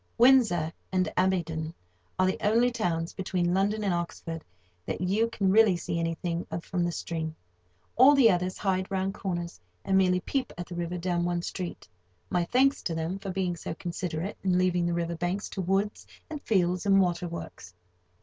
Windsor and Abingdon are the only towns between London and Oxford that you can really see anything of from the stream. All the others hide round corners, and merely peep at the river down one street: my thanks to them for being so considerate, and leaving the river banks to woods and fields and water works.